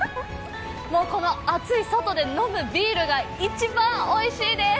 もうこの暑い外で飲むビールが一番おいしいです！